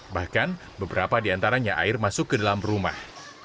bahkan beberapa diantaranya air masuk ke dalam rumah